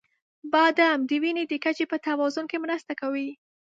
• بادام د وینې د کچې په توازن کې مرسته کوي.